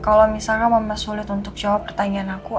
kalau misalnya memang sulit untuk jawab pertanyaan aku